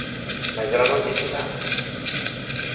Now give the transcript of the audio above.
Mas ela não disse nada.